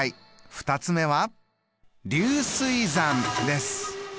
２つ目は流水算です。